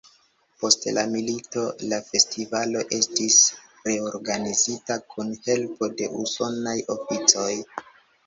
Post la milito la festivalo estis reorganizita kun helpo de usonaj oficoj.